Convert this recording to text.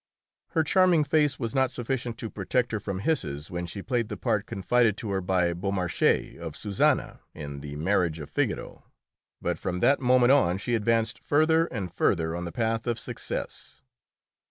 Her charming face was not sufficient to protect her from hisses when she played the part confided to her by Beaumarchais, of Susanna in "The Marriage of Figaro." But from that moment on she advanced further and further on the path of success.